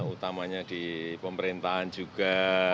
utamanya di pemerintahan juga